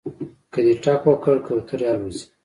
که دې ټک وکړ کوترې الوځي